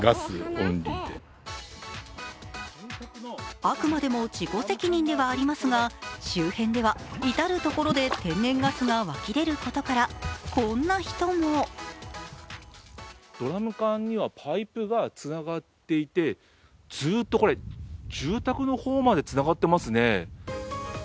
あくまでも自己責任ではありますが周辺では至る所で天然ガスが湧き出ることから、こんな人もドラム缶にはパイプがつながっていて、ずっとこれ、住宅の方までつながっていますね。